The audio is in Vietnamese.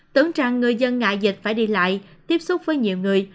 tưởng rằng người dân ngại dịch phải đi lại tiếp xúc với nhiều người